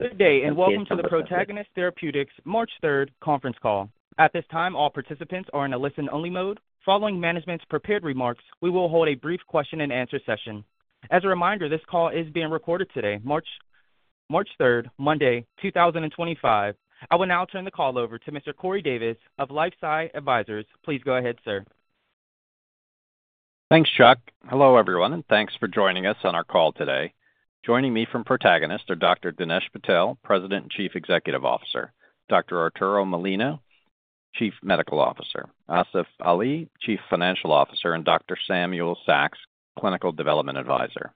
Good day, and welcome to the Protagonist Therapeutics March 3rd conference call. At this time, all participants are in a listen-only mode. Following management's prepared remarks, we will hold a brief question-and-answer session. As a reminder, this call is being recorded today, March 3rd, Monday, 2025. I will now turn the call over to Mr. Corey Davis of LifeSci Advisors. Please go ahead, sir. Thanks, Chuck. Hello everyone, and thanks for joining us on our call today. Joining me from Protagonist are Dr. Dinesh Patel, President and Chief Executive Officer, Dr. Arturo Molina, Chief Medical Officer, Asif Ali, Chief Financial Officer, and Dr. Samuel Saks, Clinical Development Advisor.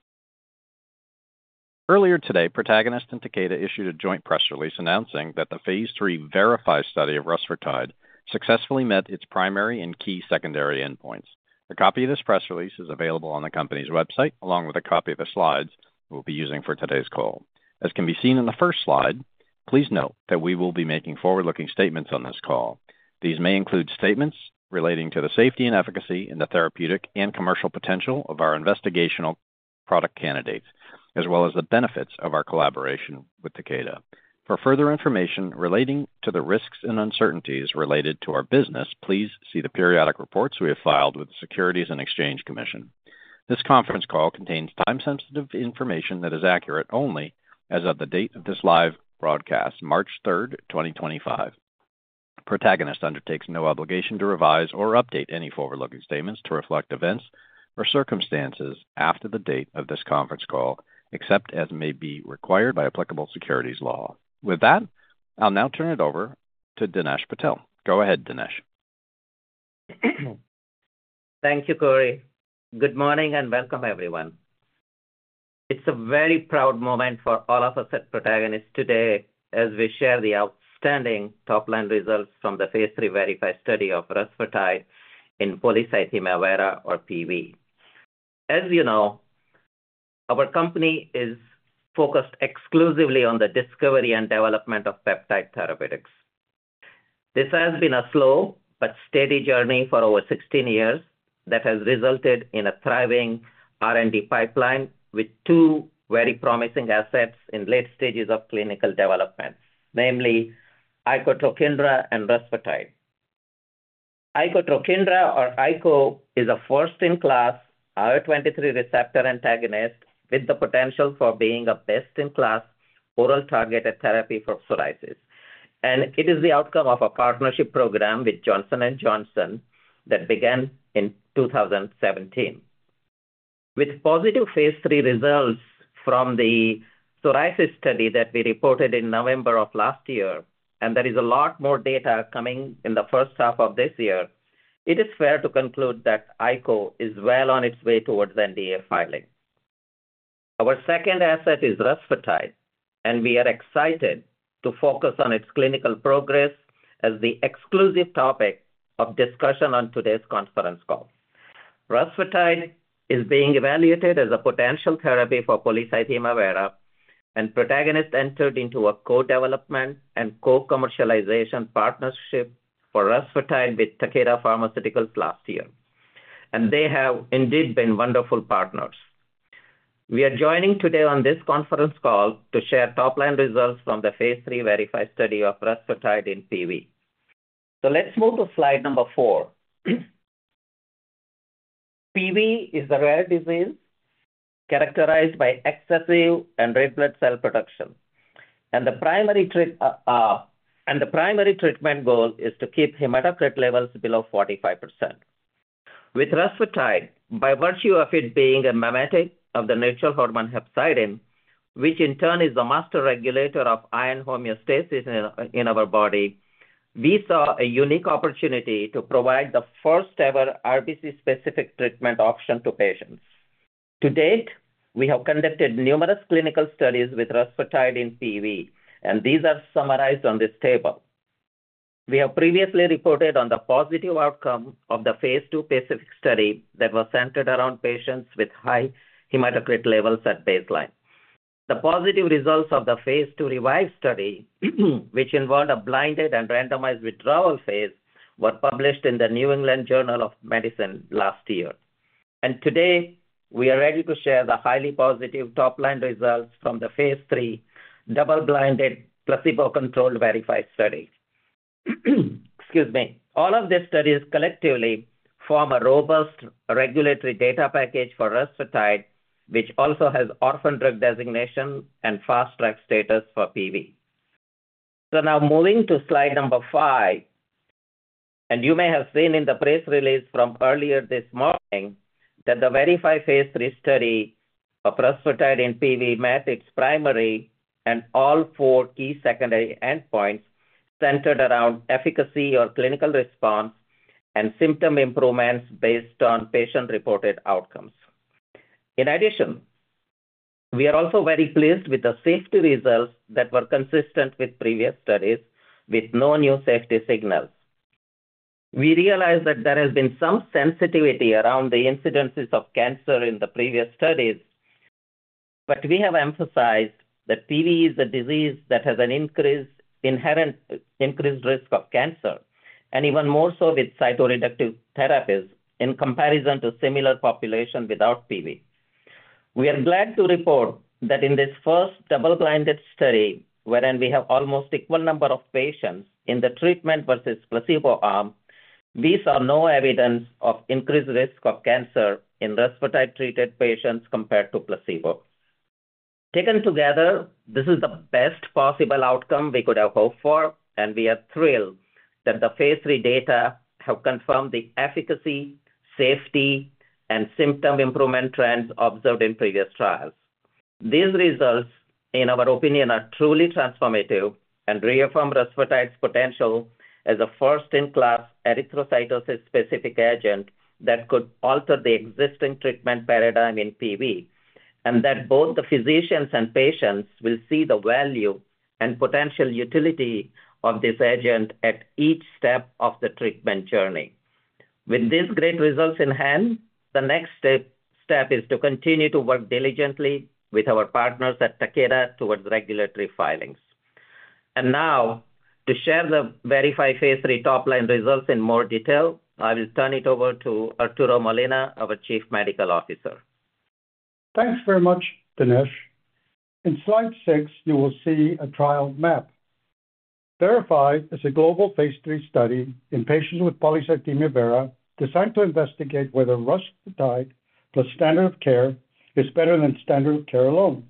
Earlier today, Protagonist and Takeda issued a joint press release announcing that the phase III VERIFY study of Rusfertide successfully met its primary and key secondary endpoints. A copy of this press release is available on the company's website, along with a copy of the slides we'll be using for today's call. As can be seen in the first slide, please note that we will be making forward-looking statements on this call. These may include statements relating to the safety and efficacy and the therapeutic and commercial potential of our investigational product candidates, as well as the benefits of our collaboration with Takeda. For further information relating to the risks and uncertainties related to our business, please see the periodic reports we have filed with the Securities and Exchange Commission. This conference call contains time-sensitive information that is accurate only as of the date of this live broadcast, March 3rd, 2025. Protagonist undertakes no obligation to revise or update any forward-looking statements to reflect events or circumstances after the date of this conference call, except as may be required by applicable securities law. With that, I'll now turn it over to Dinesh Patel. Go ahead, Dinesh. Thank you, Corey. Good morning and welcome, everyone. It's a very proud moment for all of us at Protagonist today as we share the outstanding top-line results from the phase III VERIFY study of Rusfertide in polycythemia vera, or PV. As you know, our company is focused exclusively on the discovery and development of peptide therapeutics. This has been a slow but steady journey for over 16 years that has resulted in a thriving R&D pipeline with two very promising assets in late stages of clinical development, namely Icotrokinra and Rusfertide. Icotrokinra, or Ico, is a first-in-class IL-23 receptor antagonist with the potential for being a best-in-class oral targeted therapy for psoriasis, and it is the outcome of a partnership program with Johnson & Johnson that began in 2017. With positive phase III results from the psoriasis study that we reported in November of last year, and there is a lot more data coming in the first half of this year, it is fair to conclude that Ico is well on its way towards NDA filing. Our second asset is Rusfertide, and we are excited to focus on its clinical progress as the exclusive topic of discussion on today's conference call. Rusfertide is being evaluated as a potential therapy for polycythemia vera, and Protagonist entered into a co-development and co-commercialization partnership for Rusfertide with Takeda Pharmaceuticals last year, and they have indeed been wonderful partners. We are joining today on this conference call to share top-line results from the phase III VERIFY study of Rusfertide in PV, so let's move to slide number four. PV is a rare disease characterized by excessive and red blood cell production. And the primary treatment goal is to keep hematocrit levels below 45%. With Rusfertide, by virtue of it being a mimetic of the natural hormone hepcidin, which in turn is the master regulator of iron homeostasis in our body, we saw a unique opportunity to provide the first-ever RBC-specific treatment option to patients. To date, we have conducted numerous clinical studies with Rusfertide in PV, and these are summarized on this table. We have previously reported on the positive outcome of the phase II PACIFIC study that was centered around patients with high hematocrit levels at baseline. The positive results of the phase II REVIVE study, which involved a blinded and randomized withdrawal phase, were published in the New England Journal of Medicine last year. And today, we are ready to share the highly positive top-line results from the phase III double-blinded placebo-controlled VERIFY study. Excuse me. All of these studies collectively form a robust regulatory data package for Rusfertide, which also has Orphan Drug designation and Fast Track status for PV. So now moving to slide number five, and you may have seen in the press release from earlier this morning that the VERIFY phase III study of Rusfertide in PV met its primary and all four key secondary endpoints centered around efficacy or clinical response and symptom improvements based on patient-reported outcomes. In addition, we are also very pleased with the safety results that were consistent with previous studies, with no new safety signals. We realize that there has been some sensitivity around the incidences of cancer in the previous studies, but we have emphasized that PV is a disease that has an increased risk of cancer, and even more so with cytoreductive therapies in comparison to a similar population without PV. We are glad to report that in this first double-blinded study, wherein we have almost an equal number of patients in the treatment versus placebo arm, we saw no evidence of increased risk of cancer in Rusfertide-treated patients compared to placebo. Taken together, this is the best possible outcome we could have hoped for, and we are thrilled that the phase III data have confirmed the efficacy, safety, and symptom improvement trends observed in previous trials. These results, in our opinion, are truly transformative and reaffirm Rusfertide's potential as a first-in-class erythrocytosis-specific agent that could alter the existing treatment paradigm in PV, and that both the physicians and patients will see the value and potential utility of this agent at each step of the treatment journey. With these great results in hand, the next step is to continue to work diligently with our partners at Takeda towards regulatory filings. Now, to share the VERIFY phase III top-line results in more detail, I will turn it over to Arturo Molina, our Chief Medical Officer. Thanks very much, Dinesh. In slide six, you will see a trial map. VERIFY is a global phase III study in patients with Polycythemia vera designed to investigate whether Rusfertide plus standard of care is better than standard of care alone.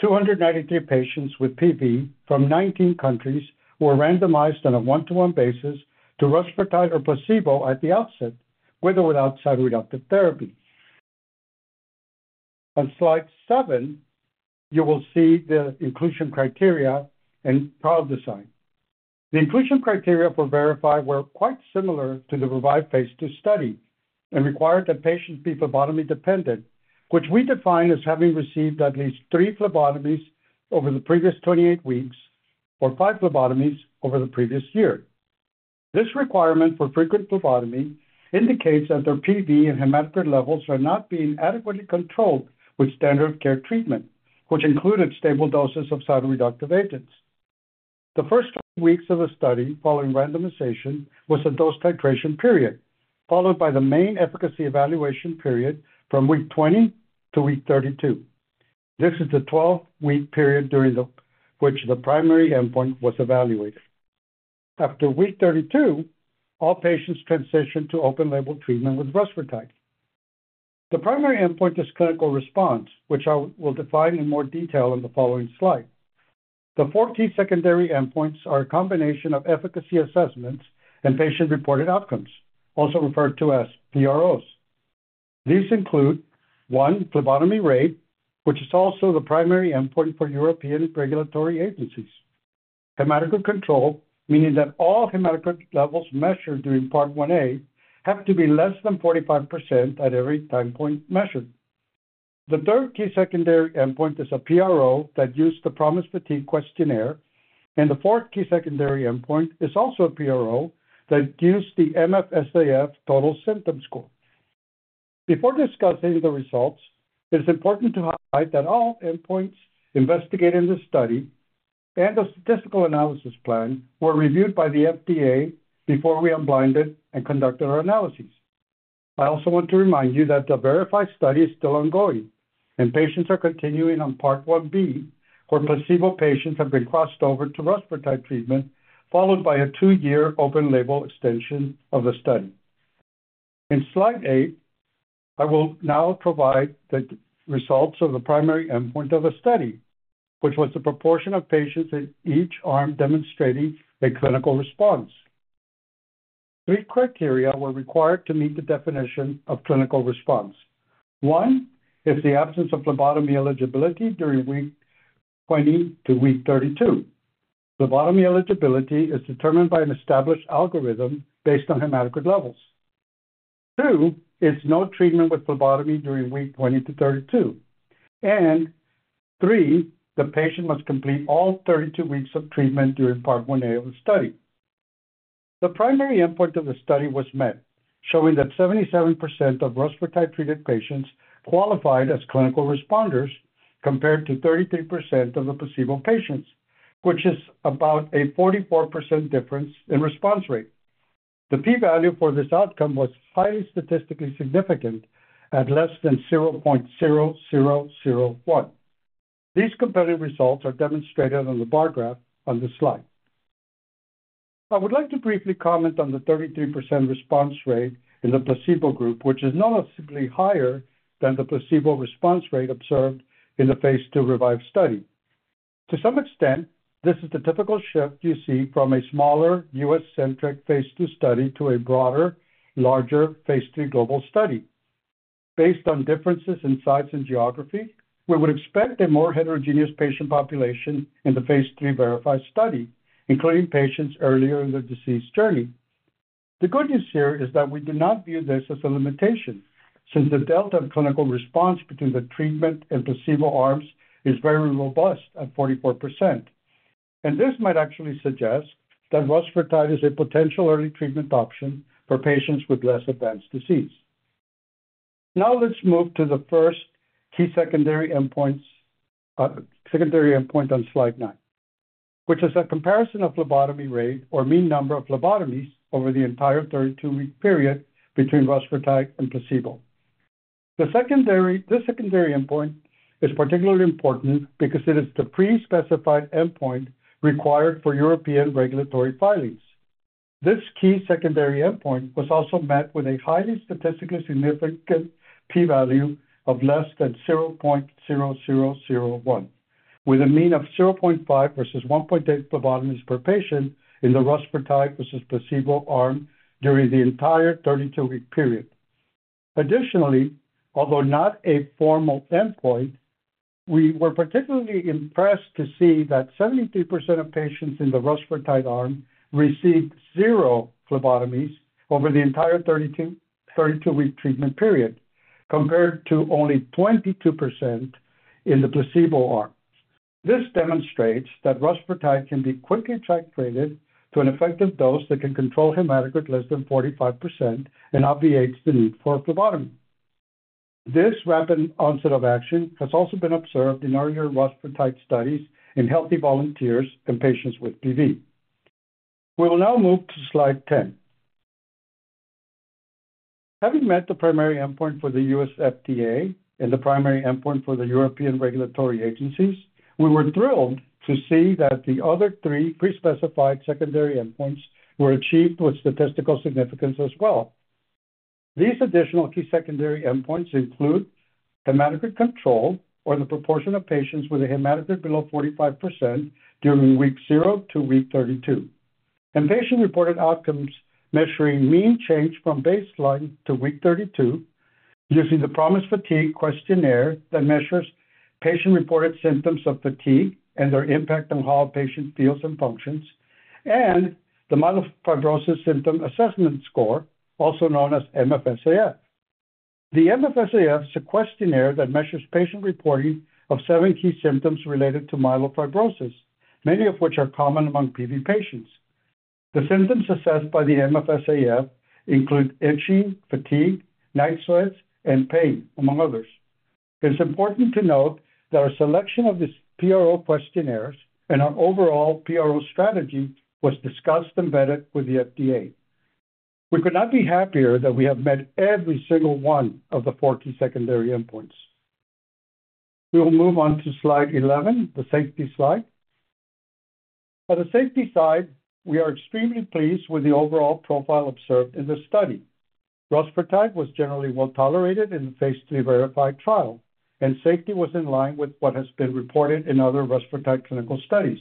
293 patients with PV from 19 countries were randomized on a one-to-one basis to Rusfertide or placebo at the outset, with or without cytoreductive therapy. On slide seven, you will see the inclusion criteria and trial design. The inclusion criteria for VERIFY were quite similar to the REVIVE phase II study and required that patients be phlebotomy dependent, which we define as having received at least three phlebotomies over the previous 28 weeks or five phlebotomies over the previous year. This requirement for frequent phlebotomy indicates that their PV and hematocrit levels are not being adequately controlled with standard of care treatment, which included stable doses of cytoreductive agents. The first weeks of the study following randomization were a dose titration period, followed by the main efficacy evaluation period from week 20 to week 32. This is the 12-week period during which the primary endpoint was evaluated. After week 32, all patients transitioned to open-label treatment with Rusfertide. The primary endpoint is clinical response, which I will define in more detail on the following slide. The four key secondary endpoints are a combination of efficacy assessments and patient-reported outcomes, also referred to as PROs. These include: one, phlebotomy rate, which is also the primary endpoint for European regulatory agencies. Hematocrit control, meaning that all hematocrit levels measured during Part 1A have to be less than 45% at every time point measured. The third key secondary endpoint is a PRO that used the PROMIS Fatigue Questionnaire, and the fourth key secondary endpoint is also a PRO that used the MFSAF total symptom score. Before discussing the results, it is important to highlight that all endpoints investigated in this study and the statistical analysis plan were reviewed by the FDA before we unblinded and conducted our analyses. I also want to remind you that the VERIFY study is still ongoing, and patients are continuing on Part 1B, where placebo patients have been crossed over to Rusfertide treatment, followed by a two-year open-label extension of the study. In slide eight, I will now provide the results of the primary endpoint of the study, which was the proportion of patients in each arm demonstrating a clinical response. Three criteria were required to meet the definition of clinical response. One, it's the absence of phlebotomy eligibility during week 20 to week 32. Phlebotomy eligibility is determined by an established algorithm based on hematocrit levels. Two, it's no treatment with phlebotomy during week 20 to 32. And three, the patient must complete all 32 weeks of treatment during Part 1A of the study. The primary endpoint of the study was met, showing that 77% of Rusfertide treated patients qualified as clinical responders compared to 33% of the placebo patients, which is about a 44% difference in response rate. The P-value for this outcome was highly statistically significant at less than 0.0001. These compelling results are demonstrated on the bar graph on the slide. I would like to briefly comment on the 33% response rate in the placebo group, which is noticeably higher than the placebo response rate observed in the phase II REVIVE study. To some extent, this is the typical shift you see from a smaller U.S.-centric phase II study to a broader, larger phase III global study. Based on differences in size and geography, we would expect a more heterogeneous patient population in the phase III VERIFY study, including patients earlier in the disease journey. The good news here is that we do not view this as a limitation, since the delta of clinical response between the treatment and placebo arms is very robust at 44%. And this might actually suggest that Rusfertide is a potential early treatment option for patients with less advanced disease. Now let's move to the first key secondary endpoint on slide nine, which is a comparison of phlebotomy rate or mean number of phlebotomies over the entire 32-week period between Rusfertide and placebo. This secondary endpoint is particularly important because it is the pre-specified endpoint required for European regulatory filings. This key secondary endpoint was also met with a highly statistically significant P-value of less than 0.0001, with a mean of 0.5 versus 1.8 phlebotomies per patient in the Rusfertide versus placebo arm during the entire 32-week period. Additionally, although not a formal endpoint, we were particularly impressed to see that 73% of patients in the Rusfertide arm received zero phlebotomies over the entire 32-week treatment period, compared to only 22% in the placebo arm. This demonstrates that Rusfertide can be quickly titrated to an effective dose that can control hematocrit less than 45% and obviates the need for phlebotomy. This rapid onset of action has also been observed in earlier Rusfertide studies in healthy volunteers and patients with PV. We will now move to slide 10. Having met the primary endpoint for the U.S. FDA and the primary endpoint for the European regulatory agencies, we were thrilled to see that the other three pre-specified secondary endpoints were achieved with statistical significance as well. These additional key secondary endpoints include hematocrit control, or the proportion of patients with a hematocrit below 45% during week 0 to week 32, and patient-reported outcomes measuring mean change from baseline to week 32 using the PROMIS Fatigue Questionnaire that measures patient-reported symptoms of fatigue and their impact on how a patient feels and functions, and the Myelofibrosis Symptom Assessment Score, also known as MFSAF. The MFSAF is a questionnaire that measures patient reporting of seven key symptoms related to myelofibrosis, many of which are common among PV patients. The symptoms assessed by the MFSAF include itching, fatigue, night sweats, and pain, among others. It's important to note that our selection of these PRO questionnaires and our overall PRO strategy was discussed and vetted with the FDA. We could not be happier that we have met every single one of the four key secondary endpoints. We will move on to slide 11, the safety slide. On the safety side, we are extremely pleased with the overall profile observed in this study. Rusfertide was generally well tolerated in the phase III VERIFY trial, and safety was in line with what has been reported in other Rusfertide clinical studies.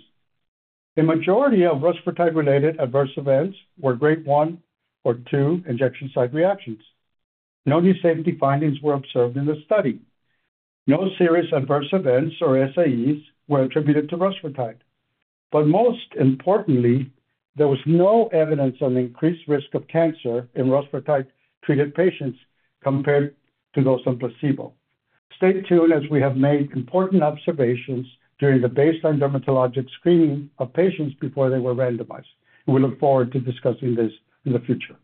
A majority of Rusfertide-related adverse events were grade one or two injection site reactions. No new safety findings were observed in this study. No serious adverse events or SAEs were attributed to Rusfertide. But most importantly, there was no evidence of an increased risk of cancer in Rusfertide-treated patients compared to those on placebo. Stay tuned as we have made important observations during the baseline dermatologic screening of patients before they were randomized. We look forward to discussing this in the future.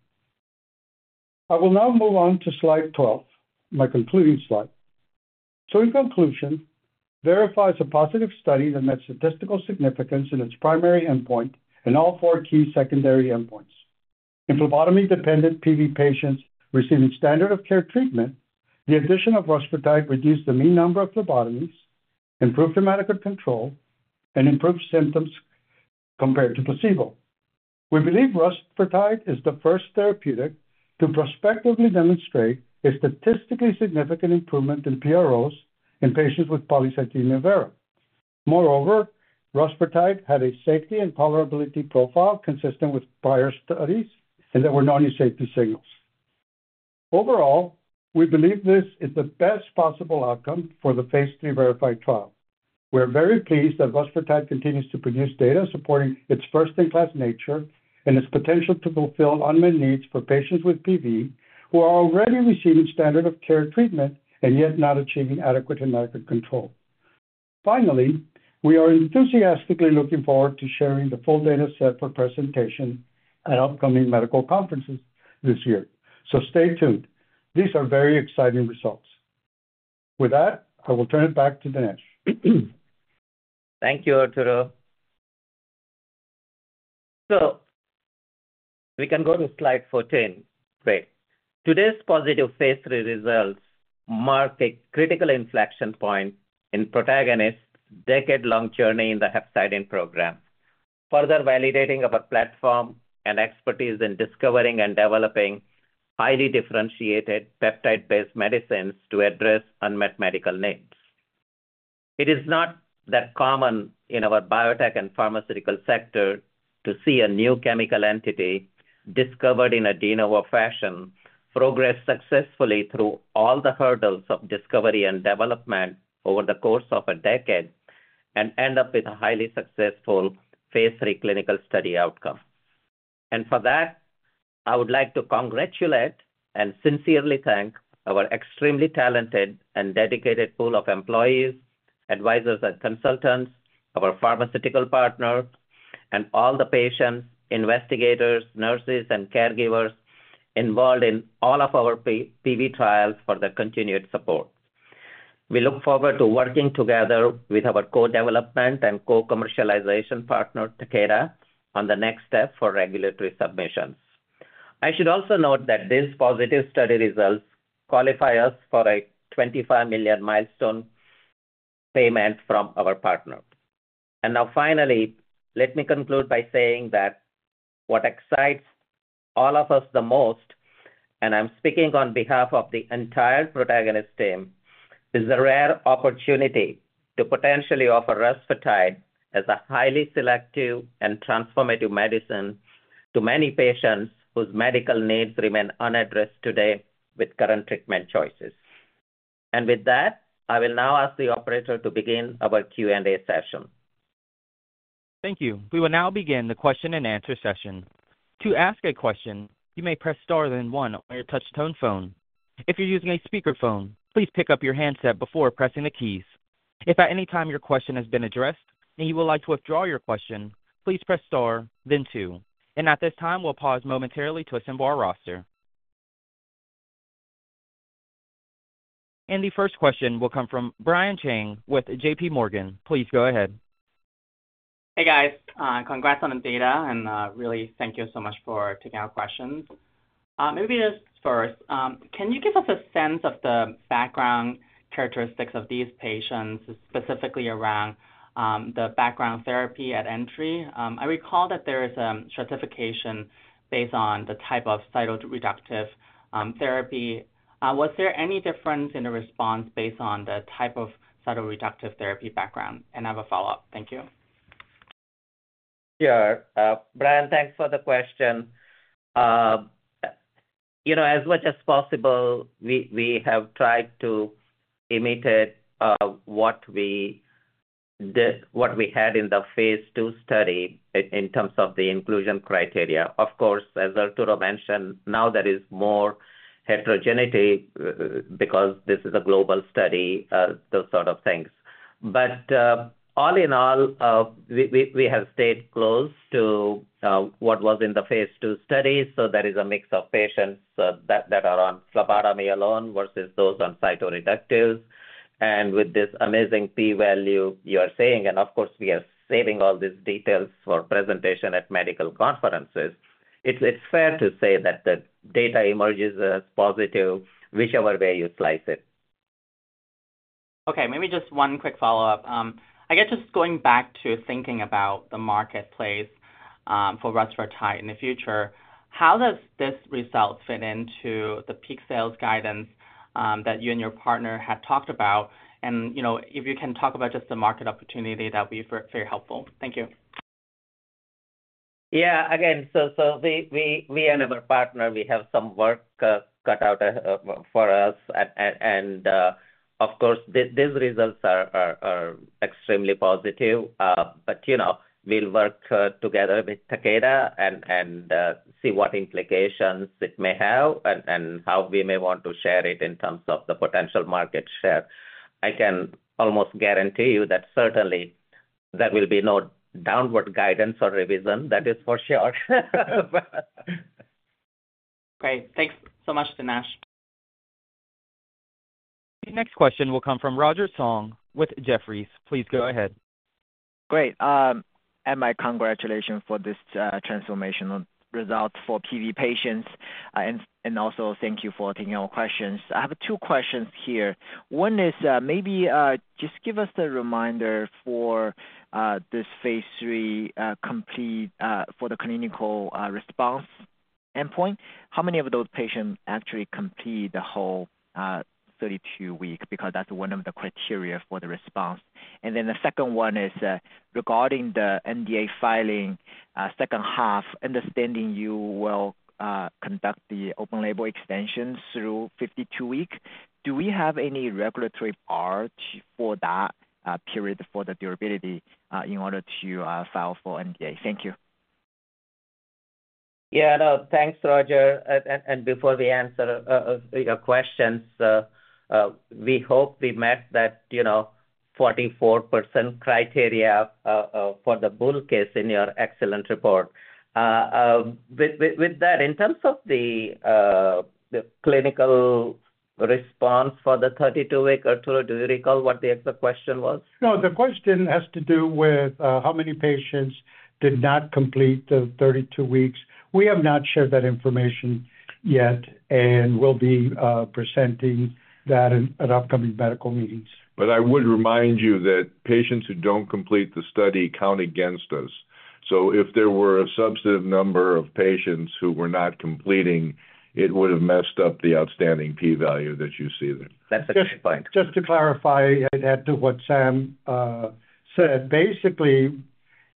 I will now move on to slide 12, my concluding slide. So in conclusion, VERIFY is a positive study that met statistical significance in its primary endpoint and all four key secondary endpoints. In phlebotomy-dependent PV patients receiving standard of care treatment, the addition of Rusfertide reduced the mean number of phlebotomies, improved hematocrit control, and improved symptoms compared to placebo. We believe Rusfertide is the first therapeutic to prospectively demonstrate a statistically significant improvement in PROs in patients with Polycythemia vera. Moreover, Rusfertide had a safety and tolerability profile consistent with prior studies, and there were no new safety signals. Overall, we believe this is the best possible outcome for the phase III VERIFY trial. We are very pleased that Rusfertide continues to produce data supporting its first-in-class nature and its potential to fulfill unmet needs for patients with PV who are already receiving standard of care treatment and yet not achieving adequate hematocrit control. Finally, we are enthusiastically looking forward to sharing the full data set for presentation at upcoming medical conferences this year. So stay tuned. These are very exciting results. With that, I will turn it back to Dinesh. Thank you, Arturo, so we can go to slide 14. Great. Today's positive phase III results mark a critical inflection point in Protagonist's decade-long journey in the hepcidin program, further validating our platform and expertise in discovering and developing highly differentiated peptide-based medicines to address unmet medical needs. It is not that common in our biotech and pharmaceutical sector to see a new chemical entity discovered in a de novo fashion progress successfully through all the hurdles of discovery and development over the course of a decade and end up with a highly successful phase III clinical study outcome, and for that, I would like to congratulate and sincerely thank our extremely talented and dedicated pool of employees, advisors, and consultants, our pharmaceutical partners, and all the patients, investigators, nurses, and caregivers involved in all of our PV trials for their continued support. We look forward to working together with our co-development and co-commercialization partner, Takeda, on the next step for regulatory submissions. I should also note that these positive study results qualify us for a $25 million milestone payment from our partner. And now finally, let me conclude by saying that what excites all of us the most, and I'm speaking on behalf of the entire Protagonist team, is the rare opportunity to potentially offer Rusfertide as a highly selective and transformative medicine to many patients whose medical needs remain unaddressed today with current treatment choices. And with that, I will now ask the operator to begin our Q&A session. Thank you. We will now begin the question-and-answer session. To ask a question, you may press star then one on your touch-tone phone. If you're using a speakerphone, please pick up your handset before pressing the keys. If at any time your question has been addressed and you would like to withdraw your question, please press star then two. And at this time, we'll pause momentarily to assemble our roster. And the first question will come from Brian Cheng with J.P. Morgan. Please go ahead. Hey, guys. Congrats on the data, and really thank you so much for taking our questions. Maybe just first, can you give us a sense of the background characteristics of these patients, specifically around the background therapy at entry? I recall that there is a stratification based on the type of cytoreductive therapy. Was there any difference in the response based on the type of cytoreductive therapy background? And I have a follow-up. Thank you. Yeah. Brian, thanks for the question. As much as possible, we have tried to imitate what we had in the phase II study in terms of the inclusion criteria. Of course, as Arturo mentioned, now there is more heterogeneity because this is a global study, those sort of things. But all in all, we have stayed close to what was in the phase II study. So there is a mix of patients that are on phlebotomy alone versus those on cytoreductives. And with this amazing P-value you are saying, and of course, we are saving all these details for presentation at medical conferences, it's fair to say that the data emerges as positive, whichever way you slice it. Okay. Maybe just one quick follow-up. I guess just going back to thinking about the marketplace for Rusfertide in the future, how does this result fit into the peak sales guidance that you and your partner had talked about? And if you can talk about just the market opportunity that we've heard, very helpful. Thank you. Yeah. Again, so we and our partner, we have some work cut out for us, and of course, these results are extremely positive, but we'll work together with Takeda and see what implications it may have and how we may want to share it in terms of the potential market share. I can almost guarantee you that certainly there will be no downward guidance or revision. That is for sure. Great. Thanks so much, Dinesh. The next question will come from Roger Song with Jefferies. Please go ahead. Great. And my congratulations for this transformational result for PV patients. And also, thank you for taking our questions. I have two questions here. One is maybe just give us the reminder for this phase III complete for the clinical response endpoint. How many of those patients actually complete the whole 32-week? Because that's one of the criteria for the response. And then the second one is regarding the NDA filing second half, understanding you will conduct the open label extension through 52-week. Do we have any regulatory bar for that period for the durability in order to file for NDA? Thank you. Yeah. Thanks, Roger. And before we answer your questions, we hope we met that 44% criteria for the bull case in your excellent report. With that, in terms of the clinical response for the 32-week, Arturo, do you recall what the exact question was? No, the question has to do with how many patients did not complete the 32 weeks. We have not shared that information yet and will be presenting that at upcoming medical meetings. But I would remind you that patients who don't complete the study count against us. So if there were a substantive number of patients who were not completing, it would have messed up the outstanding p-value that you see there. That's a good point. Just to clarify that to what Sam said, basically,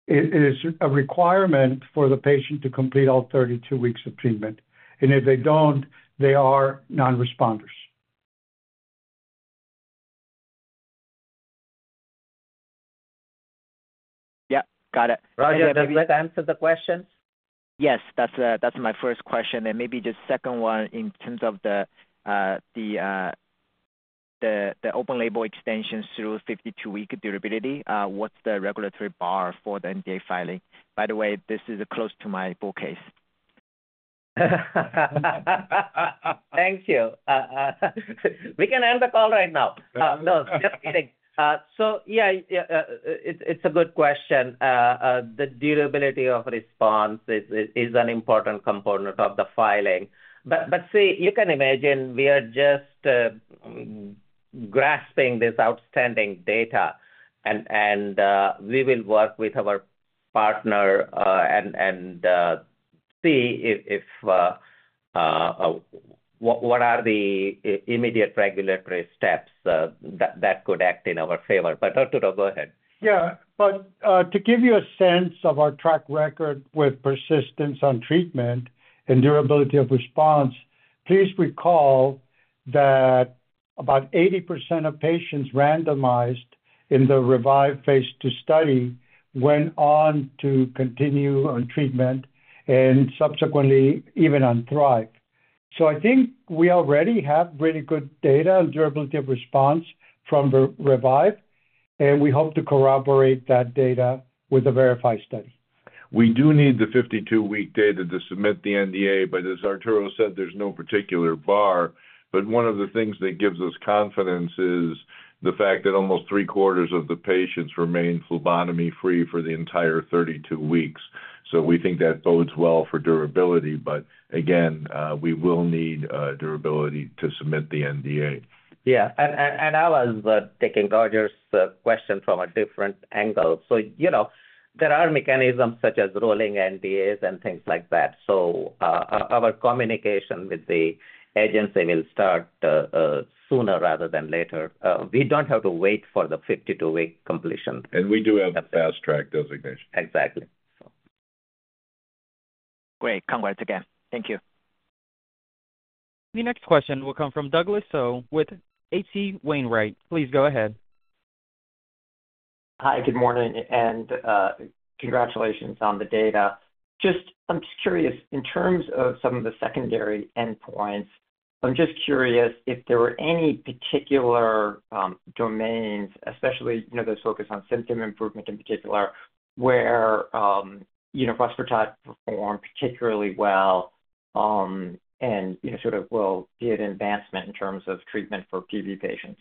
it is a requirement for the patient to complete all 32 weeks of treatment, and if they don't, they are non-responders. Yeah. Got it. Roger, did we answer the questions? Yes. That's my first question. And maybe just second one in terms of the open label extension through 52-week durability, what's the regulatory bar for the NDA filing? By the way, this is close to my bull case. Thank you. We can end the call right now. No, just kidding. So yeah, it's a good question. The durability of response is an important component of the filing. But see, you can imagine we are just grasping this outstanding data. And we will work with our partner and see what are the immediate regulatory steps that could act in our favor. But Arturo, go ahead. Yeah. But to give you a sense of our track record with persistence on treatment and durability of response, please recall that about 80% of patients randomized in the REVIVE phase II study went on to continue on treatment and subsequently even on THRIVE. So I think we already have really good data on durability of response from REVIVE. And we hope to corroborate that data with the VERIFY study. We do need the 52-week data to submit the NDA. But as Arturo said, there's no particular bar. But one of the things that gives us confidence is the fact that almost three-quarters of the patients remain phlebotomy-free for the entire 32 weeks. So we think that bodes well for durability. But again, we will need durability to submit the NDA. Yeah. And I was taking Roger's question from a different angle. So there are mechanisms such as rolling NDAs and things like that. So our communication with the agency will start sooner rather than later. We don't have to wait for the 52-week completion. We do have a Fast Track designation. Exactly. Great. Congrats again. Thank you. The next question will come from Douglas Tsao with H.C. Wainwright. Please go ahead. Hi, good morning, and congratulations on the data. Just, I'm just curious, in terms of some of the secondary endpoints, I'm just curious if there were any particular domains, especially those focused on symptom improvement in particular, where Rusfertide performed particularly well and sort of will be an advancement in terms of treatment for PV patients.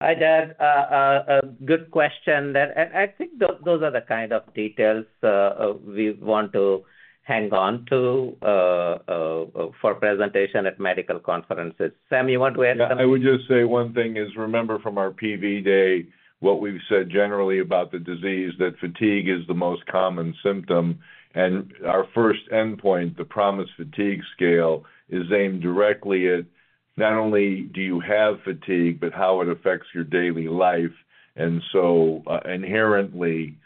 Hi, Doug. A good question. And I think those are the kind of details we want to hang on to for presentation at medical conferences. Sam, you want to add something? I would just say one thing is remember from our PV day what we've said generally about the disease that fatigue is the most common symptom. Our first endpoint, the PROMIS Fatigue Scale, is aimed directly at not only do you have fatigue, but how it affects your daily life. So inherently,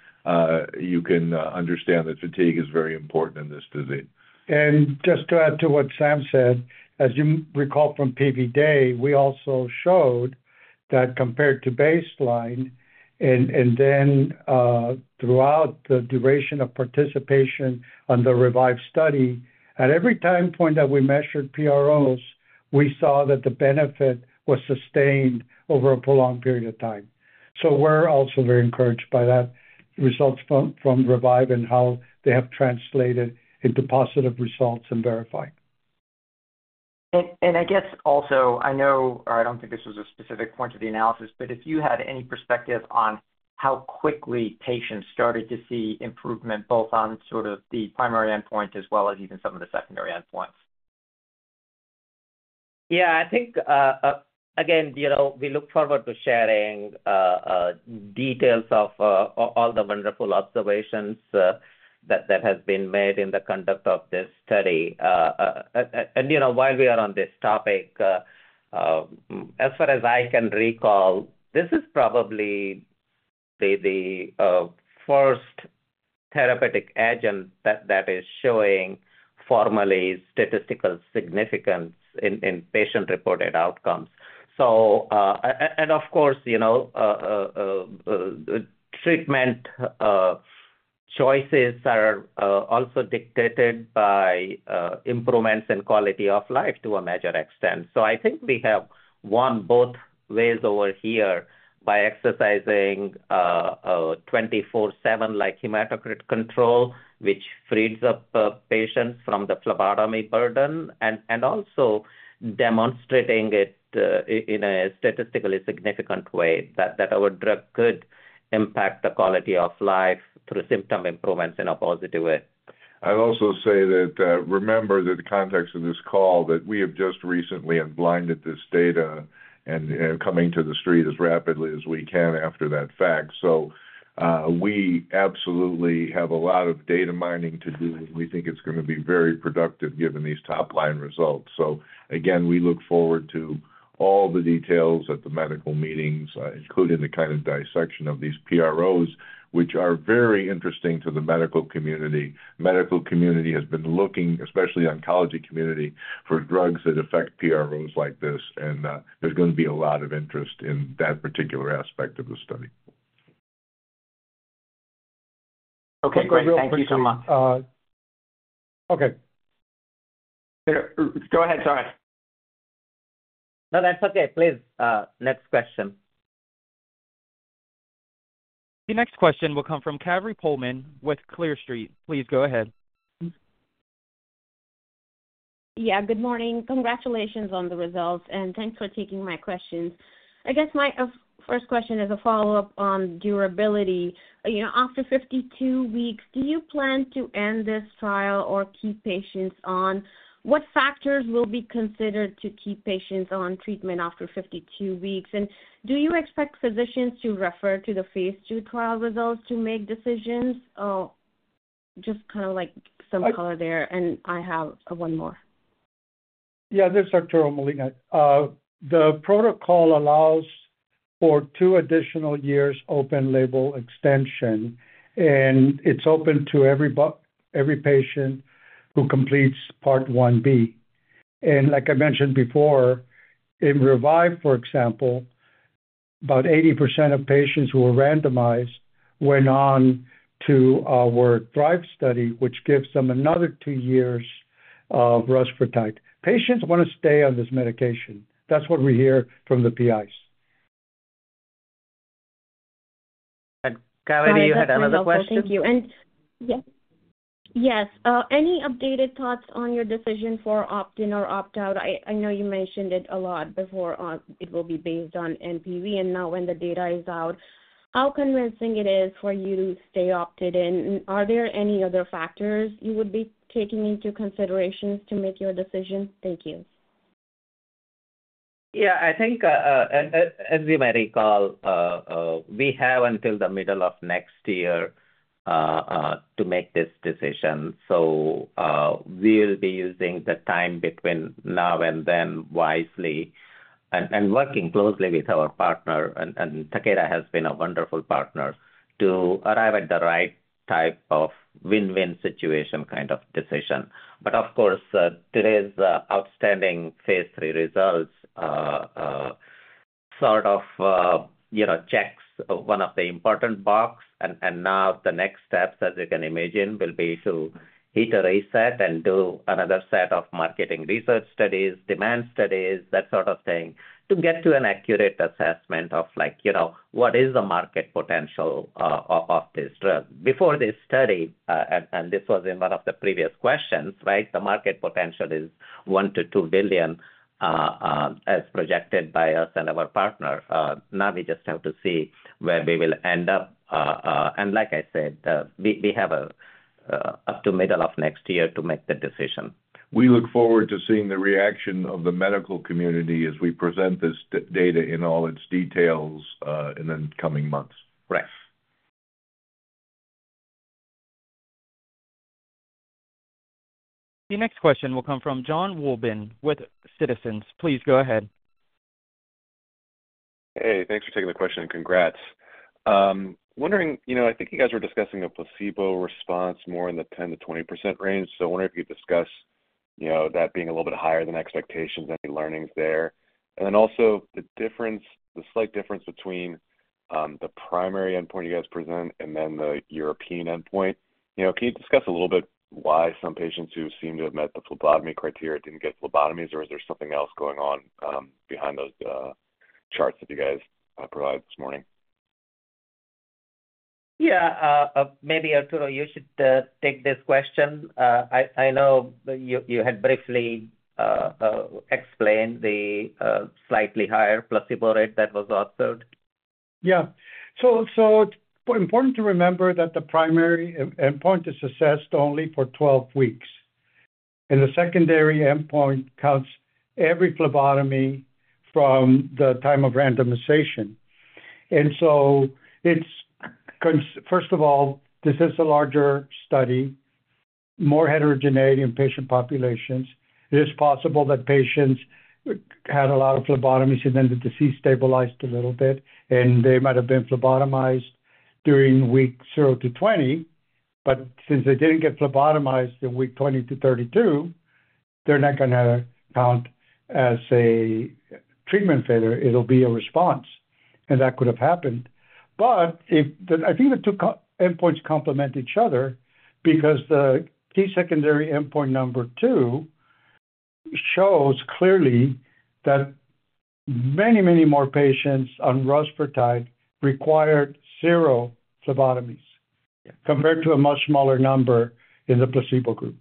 you can understand that fatigue is very important in this disease. And just to add to what Sam said, as you recall from PV day, we also showed that compared to baseline and then throughout the duration of participation on the REVIVE study, at every time point that we measured PROs, we saw that the benefit was sustained over a prolonged period of time. So we're also very encouraged by that results from REVIVE and how they have translated into positive results in VERIFY. I guess also, I know or I don't think this was a specific point of the analysis, but if you had any perspective on how quickly patients started to see improvement both on sort of the primary endpoint as well as even some of the secondary endpoints? Yeah. I think, again, we look forward to sharing details of all the wonderful observations that have been made in the conduct of this study. And while we are on this topic, as far as I can recall, this is probably the first therapeutic agent that is showing formally statistical significance in patient-reported outcomes. And of course, treatment choices are also dictated by improvements in quality of life to a measure extent. So I think we have won both ways over here by exercising 24/7 like hematocrit control, which frees up patients from the phlebotomy burden and also demonstrating it in a statistically significant way that our drug could impact the quality of life through symptom improvements in a positive way. I'll also say that, remember, the context of this call that we have just recently unblinded this data and coming to the street as rapidly as we can after that fact. So we absolutely have a lot of data mining to do, and we think it's going to be very productive given these top-line results. So again, we look forward to all the details at the medical meetings, including the kind of dissection of these PROs, which are very interesting to the medical community. The medical community has been looking, especially the oncology community, for drugs that affect PROs like this, and there's going to be a lot of interest in that particular aspect of the study. Okay. Thank you so much. Okay. Go ahead. Sorry. No, that's okay. Please, next question. The next question will come from Kaveri Pohlman with Clear Street. Please go ahead. Yeah. Good morning. Congratulations on the results. And thanks for taking my questions. I guess my first question is a follow-up on durability. After 52 weeks, do you plan to end this trial or keep patients on? What factors will be considered to keep patients on treatment after 52 weeks? And do you expect physicians to refer to the phase II trial results to make decisions? Just kind of like some color there. And I have one more. Yeah. This is Arturo Molina. The protocol allows for two additional years open-label extension. And it's open to every patient who completes Part 1B. And like I mentioned before, in REVIVE, for example, about 80% of patients who were randomized went on to our THRIVE study, which gives them another two years of Rusfertide. Patients want to stay on this medication. That's what we hear from the PIs. Kaveri, you had another question? Thank you. And yes. Yes. Any updated thoughts on your decision for opt-in or opt-out? I know you mentioned it a lot before it will be based on NPV and now when the data is out. How convincing it is for you to stay opted in? Are there any other factors you would be taking into consideration to make your decision? Thank you. Yeah. I think as you may recall, we have until the middle of next year to make this decision. So we'll be using the time between now and then wisely and working closely with our partner. And Takeda has been a wonderful partner to arrive at the right type of win-win situation kind of decision. But of course, today's outstanding phase III results sort of checks one of the important boxes. And now the next steps, as you can imagine, will be to hit a reset and do another set of marketing research studies, demand studies, that sort of thing to get to an accurate assessment of what is the market potential of this drug. Before this study, and this was in one of the previous questions, right, the market potential is $1-$2 billion as projected by us and our partner. Now we just have to see where we will end up, and like I said, we have up to middle of next year to make the decision. We look forward to seeing the reaction of the medical community as we present this data in all its details in the coming months. Right. The next question will come from Jon Wolleben with Citizens. Please go ahead. Hey. Thanks for taking the question. Congrats. Wondering, I think you guys were discussing a placebo response more in the 10%-20% range. So I wonder if you could discuss that being a little bit higher than expectations, any learnings there. And then also the slight difference between the primary endpoint you guys present and then the European endpoint. Can you discuss a little bit why some patients who seem to have met the phlebotomy criteria didn't get phlebotomies? Or is there something else going on behind those charts that you guys provided this morning? Yeah. Maybe Arturo, you should take this question. I know you had briefly explained the slightly higher placebo rate that was offered. Yeah. So important to remember that the primary endpoint is assessed only for 12 weeks. And the secondary endpoint counts every phlebotomy from the time of randomization. And so first of all, this is a larger study, more heterogeneity in patient populations. It is possible that patients had a lot of phlebotomies and then the disease stabilized a little bit. And they might have been phlebotomized during week 0 to 20. But since they didn't get phlebotomized in week 20 to 32, they're not going to count as a treatment failure. It'll be a response. And that could have happened. But I think the two endpoints complement each other because the key secondary endpoint number two shows clearly that many, many more patients on Rusfertide required zero phlebotomies compared to a much smaller number in the placebo group.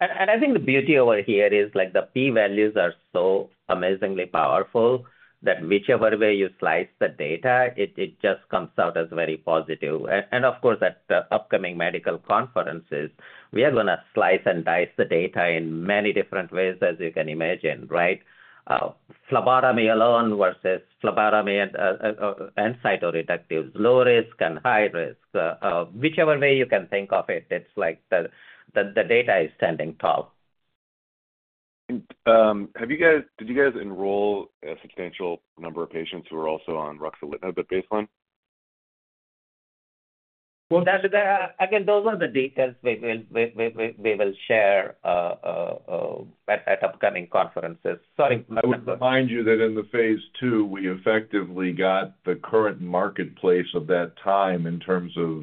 I think the beauty over here is the p-values are so amazingly powerful that whichever way you slice the data, it just comes out as very positive. Of course, at upcoming medical conferences, we are going to slice and dice the data in many different ways, as you can imagine, right? Phlebotomy alone versus phlebotomy and cytoreductives, low risk and high risk. Whichever way you can think of it, it's like the data is standing tall. Did you guys enroll a substantial number of patients who are also on ruxolitinib at baseline? Again, those are the details we will share at upcoming conferences. Sorry. I would remind you that in the phase II, we effectively got the current marketplace of that time in terms of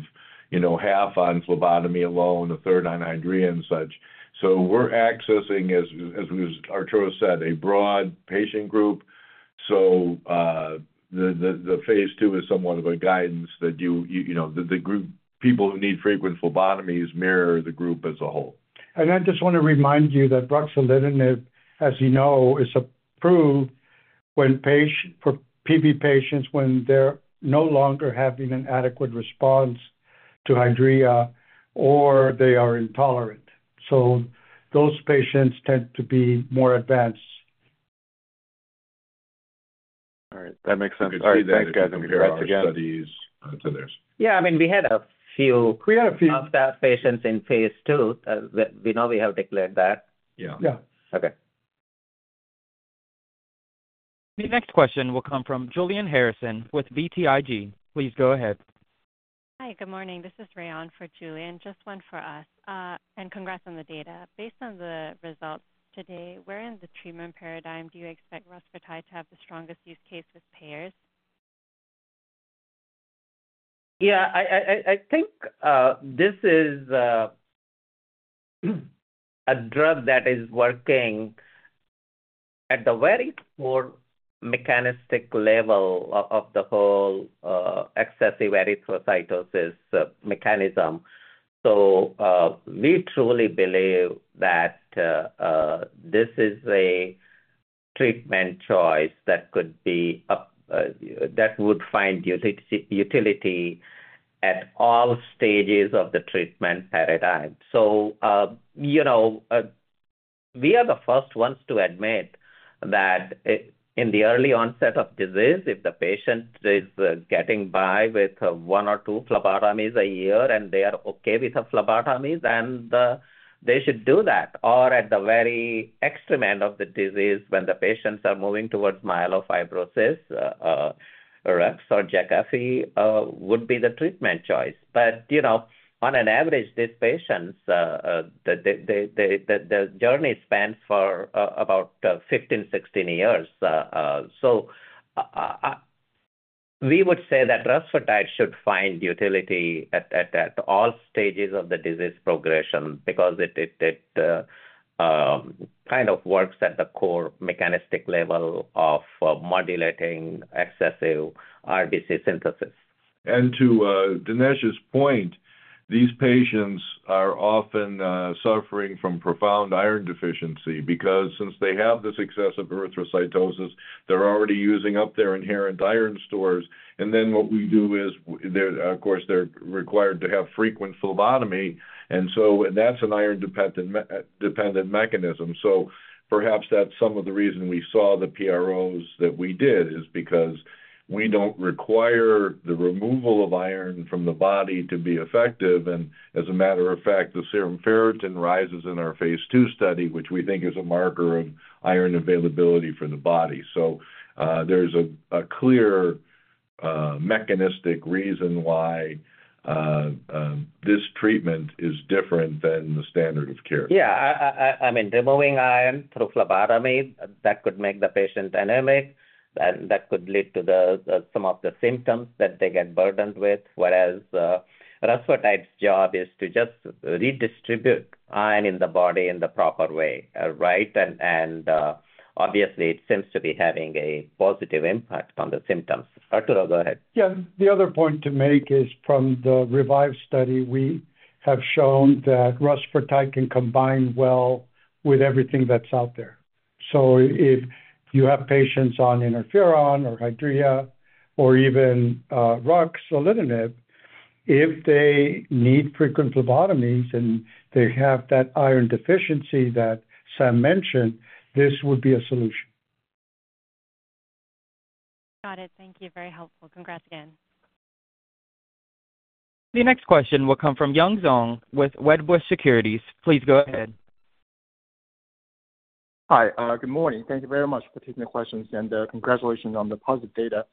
half on phlebotomy alone, a third on Hydrea and such. So we're accessing, as Arturo said, a broad patient group. So the phase II is somewhat of a guidance that the group people who need frequent phlebotomies mirror the group as a whole. I just want to remind you that ruxolitinib, as you know, is approved for PV patients when they're no longer having an adequate response to Hydrea or they are intolerant. Those patients tend to be more advanced. All right. That makes sense. All right. Thanks, guys. Congrats again. Thanks for the studies. To theirs. Yeah. I mean, we had a few. We had a few. Of stable patients in phase II. We know we have declared that. Yeah. Okay. The next question will come from Julian Harrison with BTIG. Please go ahead. Hi, good morning. This is Ryan for Julian. Just one for us. And congrats on the data. Based on the results today, where in the treatment paradigm do you expect Rusfertide to have the strongest use case with payers? Yeah. I think this is a drug that is working at the very core mechanistic level of the whole excessive erythrocytosis mechanism. So we truly believe that this is a treatment choice that would find utility at all stages of the treatment paradigm. So we are the first ones to admit that in the early onset of disease, if the patient is getting by with one or two phlebotomies a year and they are okay with the phlebotomies, then they should do that. Or at the very extreme end of the disease, when the patients are moving towards myelofibrosis, Rusfertide or Jakafi would be the treatment choice. But on an average, these patients, the journey spans for about 15-16 years. So we would say that Rusfertide should find utility at all stages of the disease progression because it kind of works at the core mechanistic level of modulating excessive RBC synthesis. To Dinesh's point, these patients are often suffering from profound iron deficiency because since they have this excessive erythrocytosis, they're already using up their inherent iron stores. And then what we do is, of course, they're required to have frequent phlebotomy. And so that's an iron-dependent mechanism. So perhaps that's some of the reason we saw the PROs that we did is because we don't require the removal of iron from the body to be effective. And as a matter of fact, the serum ferritin rises in our phase II study, which we think is a marker of iron availability for the body. So there's a clear mechanistic reason why this treatment is different than the standard of care. Yeah. I mean, removing iron through phlebotomy, that could make the patient anemic. That could lead to some of the symptoms that they get burdened with. Whereas Rusfertide's job is to just redistribute iron in the body in the proper way, right? And obviously, it seems to be having a positive impact on the symptoms. Arturo, go ahead. Yeah. The other point to make is from the REVIVE study, we have shown that Rusfertide can combine well with everything that's out there. So if you have patients on interferon or Hydrea or even ruxolitinib, if they need frequent phlebotomies and they have that iron deficiency that Sam mentioned, this would be a solution. Got it. Thank you. Very helpful. Congrats again. The next question will come from Yun Zhong with Wedbush Securities. Please go ahead. Hi. Good morning. Thank you very much for taking the questions and congratulations on the positive data.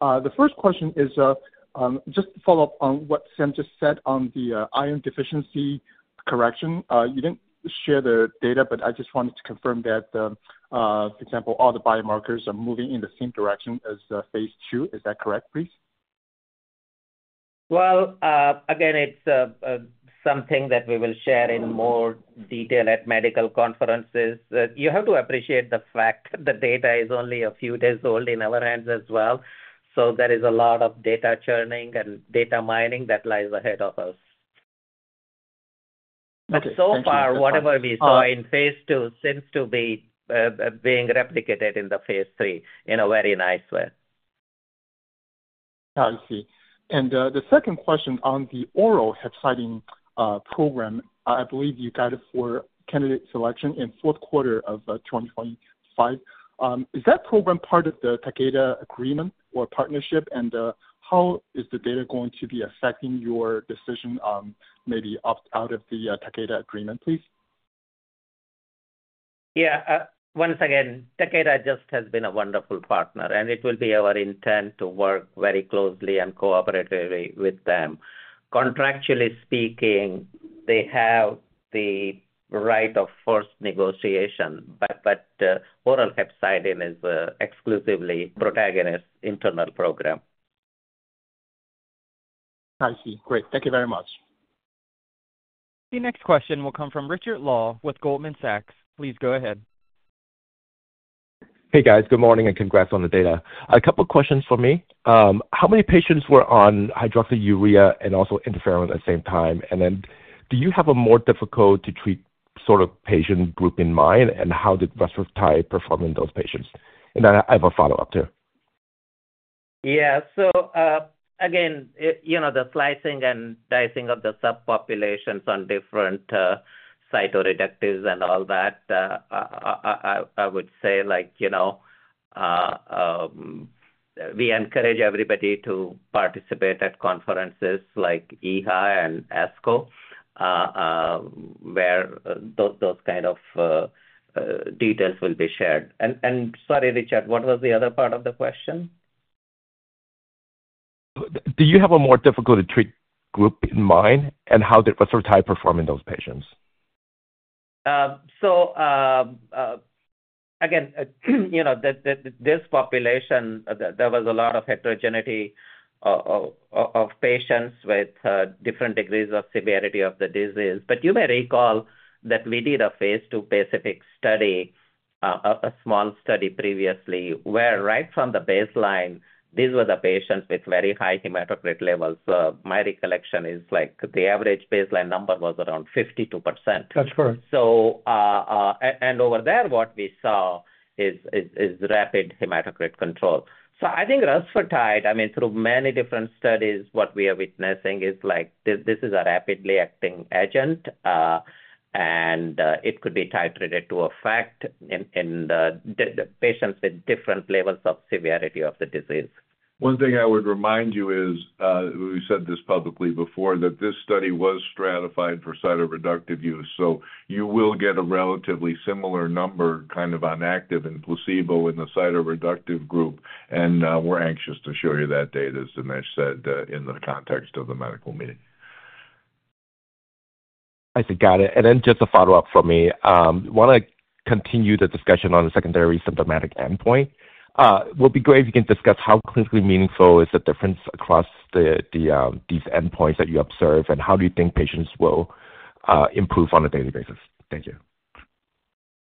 The first question is just to follow up on what Sam just said on the iron deficiency correction. You didn't share the data, but I just wanted to confirm that, for example, all the biomarkers are moving in the same direction as phase II. Is that correct, please? Again, it's something that we will share in more detail at medical conferences. You have to appreciate the fact that the data is only a few days old in our hands as well. So there is a lot of data churning and data mining that lies ahead of us. But so far, whatever we saw in phase II seems to be being replicated in the phase III in a very nice way. I see. And the second question on the oral hepcidin program, I believe you got it for candidate selection in fourth quarter of 2025. Is that program part of the Takeda agreement or partnership? And how is the data going to be affecting your decision maybe out of the Takeda agreement, please? Yeah. Once again, Takeda just has been a wonderful partner. And it will be our intent to work very closely and cooperatively with them. Contractually speaking, they have the right of forced negotiation, but oral hepcidin is exclusively Protagonist internal program. I see. Great. Thank you very much. The next question will come from Richard Law with Goldman Sachs. Please go ahead. Hey, guys. Good morning and congrats on the data. A couple of questions for me. How many patients were on hydroxyurea and also interferon at the same time? And then do you have a more difficult-to-treat sort of patient group in mind? And how did Rusfertide perform in those patients? And then I have a follow-up too. Yeah. So again, the slicing and dicing of the subpopulations on different cytoreductives and all that, I would say we encourage everybody to participate at conferences like EHA and ASCO, where those kind of details will be shared. And sorry, Richard, what was the other part of the question? Do you have a more difficult-to-treat group in mind? And how did Rusfertide perform in those patients? So again, this population, there was a lot of heterogeneity of patients with different degrees of severity of the disease. But you may recall that we did a phase II specific study, a small study previously, where right from the baseline, these were the patients with very high hematocrit levels. My recollection is the average baseline number was around 52%. That's correct. Over there, what we saw is rapid hematocrit control. I think Rusfertide, I mean, through many different studies, what we are witnessing is this is a rapidly acting agent. It could be titrated to effect in the patients with different levels of severity of the disease. One thing I would remind you is we said this publicly before that this study was stratified for cytoreductive use, so you will get a relatively similar number kind of on active and placebo in the cytoreductive group, and we're anxious to show you that data, as Dinesh said, in the context of the medical meeting. I see. Got it. And then just a follow-up from me. I want to continue the discussion on the secondary symptomatic endpoint. It would be great if you can discuss how clinically meaningful is the difference across these endpoints that you observe, and how do you think patients will improve on a daily basis? Thank you.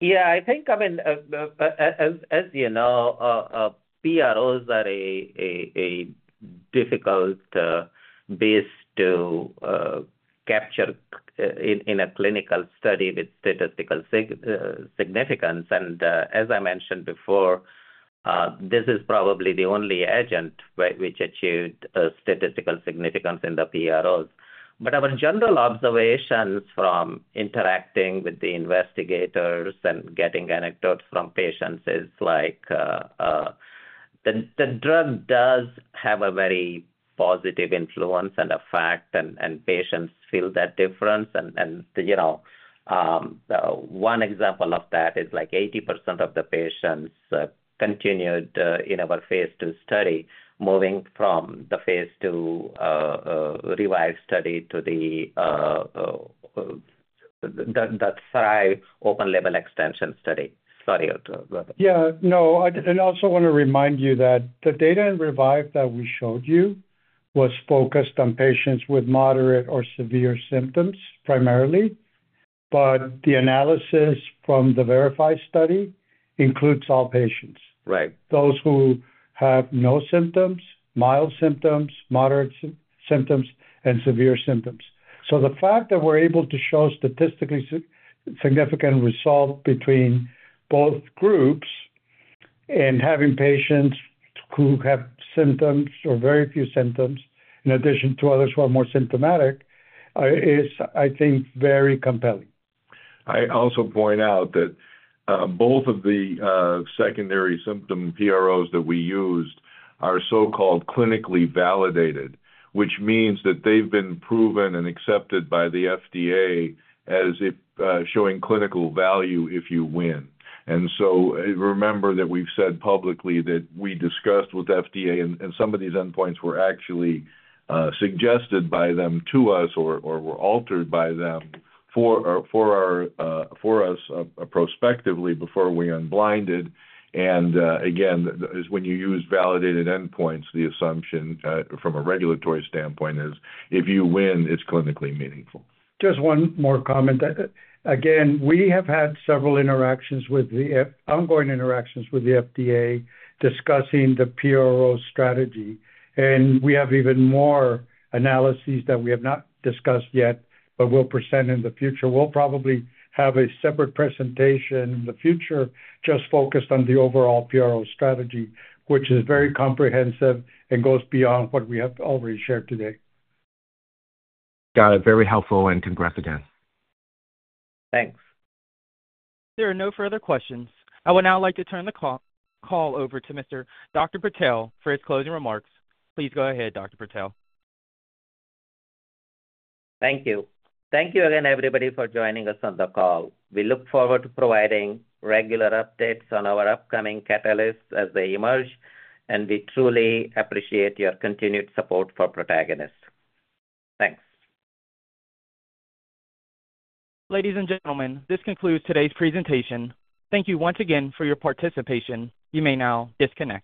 Yeah. I think, I mean, as you know, PROs are a difficult base to capture in a clinical study with statistical significance. And as I mentioned before, this is probably the only agent which achieved statistical significance in the PROs. But our general observations from interacting with the investigators and getting anecdotes from patients is the drug does have a very positive influence and effect, and patients feel that difference. And one example of that is 80% of the patients continued in our phase II study, moving from the phase II REVIVE study to the THRIVE open-label extension study. Sorry. Yeah. No. And I also want to remind you that the data in REVIVE that we showed you was focused on patients with moderate or severe symptoms primarily. But the analysis from the VERIFY study includes all patients, those who have no symptoms, mild symptoms, moderate symptoms, and severe symptoms. So the fact that we're able to show statistically significant result between both groups and having patients who have symptoms or very few symptoms in addition to others who are more symptomatic is, I think, very compelling. I also point out that both of the secondary symptom PROs that we used are so-called clinically validated, which means that they've been proven and accepted by the FDA as showing clinical value if you win. And so remember that we've said publicly that we discussed with FDA, and some of these endpoints were actually suggested by them to us or were altered by them for us prospectively before we unblinded. And again, when you use validated endpoints, the assumption from a regulatory standpoint is if you win, it's clinically meaningful. Just one more comment. Again, we have had several ongoing interactions with the FDA discussing the PRO strategy. And we have even more analyses that we have not discussed yet, but we'll present in the future. We'll probably have a separate presentation in the future just focused on the overall PRO strategy, which is very comprehensive and goes beyond what we have already shared today. Got it. Very helpful, and congrats again. Thanks. There are no further questions. I would now like to turn the call over to Dr. Patel for his closing remarks. Please go ahead, Dr. Patel. Thank you. Thank you again, everybody, for joining us on the call. We look forward to providing regular updates on our upcoming catalysts as they emerge, and we truly appreciate your continued support for Protagonist. Thanks. Ladies and gentlemen, this concludes today's presentation. Thank you once again for your participation. You may now disconnect.